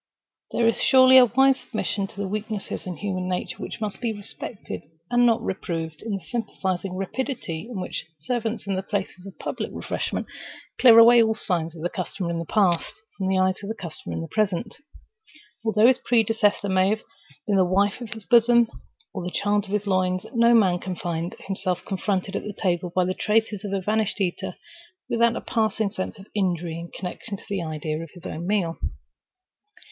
There is surely a wise submission to those weaknesses in human nature which must be respected and not reproved, in the sympathizing rapidity with which servants in places of public refreshment clear away all signs of the customer in the past, from the eyes of the customer in the present. Although his predecessor may have been the wife of his bosom or the child of his loins, no man can find himself confronted at table by the traces of a vanished eater, without a passing sense of injury in connection with the idea of his own meal.